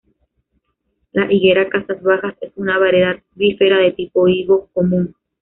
La higuera 'Casas Bajas' es una variedad "bífera" de tipo higo común.